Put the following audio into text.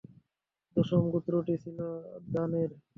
দশম গোত্রটি ছিল দান-এর।